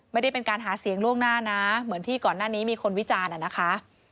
ไม่ได้เป็นการหาเสียงล่วงหน้านะเหมือนที่ก่อนหน้านี้มีคนวิจารณ์นะคะ